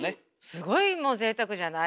すごいぜいたくじゃない？